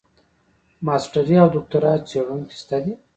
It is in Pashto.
ماسټري او دوکتورا څېړونکي شته دي.